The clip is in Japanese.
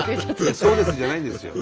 「そうです！」じゃないんですよ。